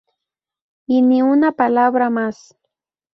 Y ni una palabra más.